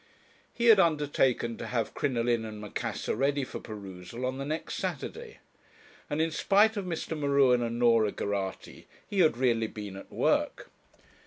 He had undertaken to have 'Crinoline and Macassar' ready for perusal on the next Saturday, and in spite of Mr. M'Ruen and Norah Geraghty, he had really been at work.